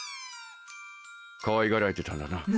かわいがられてたんだな。